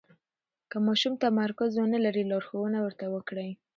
که ماشوم تمرکز ونلري، لارښوونه ورته وکړئ.